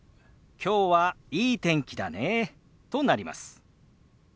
「きょうはいい天気だね」となります。